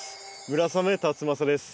村雨辰剛です。